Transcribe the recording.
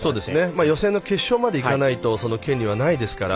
予選の決勝まで行かないとその権利はないですから。